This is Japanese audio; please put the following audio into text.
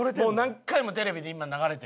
何回もテレビで今流れてる。